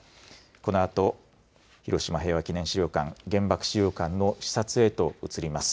このあと、広島平和記念資料館、原爆資料館の視察へと移ります。